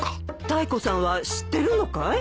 タイコさんは知ってるのかい？